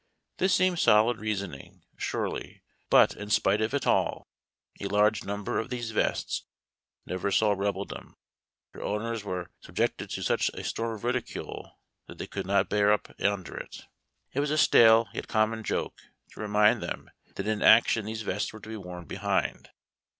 This seemed solid reasoning, surely ; but, in spite of it all, a large number of these vests never saw Rebeldom. Their owners were sub jected to such a storm of ridicule that they could not bear up under it. It was a stale yet common joke to remind them that in action these vests must be worn behind.